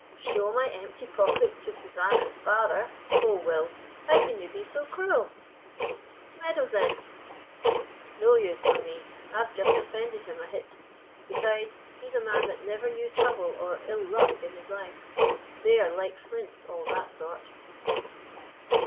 "Show my empty pockets to Susanna's father! Oh, Will! how can you be so cruel?" "Meadows, then." "No use for me, I've just offended him a hit; beside he's a man that never knew trouble or ill luck in his life; they are like flints, all that sort."